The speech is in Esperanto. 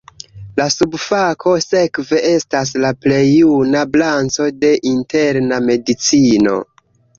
La subfako sekve estas la plej juna branĉo de interna medicino.